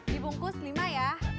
dibungkus lima ya